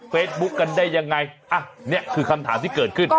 เฟซบุ๊กกันได้ยังไงอ่ะเนี้ยคือคำถามที่เกิดขึ้น